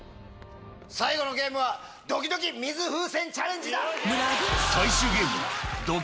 最後のゲームはドキドキ水風船チャレンジだ！